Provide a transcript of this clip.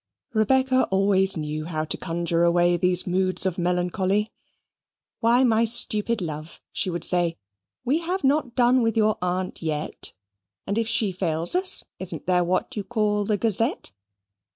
Rebecca always knew how to conjure away these moods of melancholy. "Why, my stupid love," she would say, "we have not done with your aunt yet. If she fails us, isn't there what you call the Gazette?